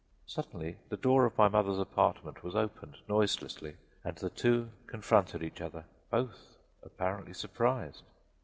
Suddenly the door of my mother's apartment was opened, noiselessly, and the two confronted each other, both apparently surprised.